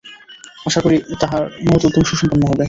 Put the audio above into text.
আশা করি তাঁহার মহৎ উদ্যম সুসম্পন্ন হবে।